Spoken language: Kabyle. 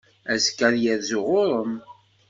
Azekka ad yerzu ɣur-m.